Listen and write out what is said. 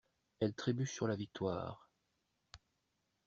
Elle trébuche sur la victoire...